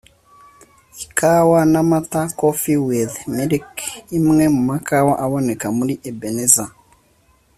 Ikawa n'amata (Coffee with milk) imwe mu makawa aboneka muri Ebenezer